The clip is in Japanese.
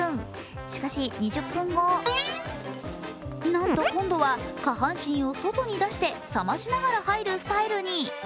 しかし２０分後、なんと今度は下半身を外に出して冷ましながら入るスタイルに。